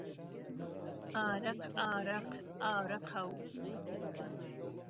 عارهق عارهق عارهقه و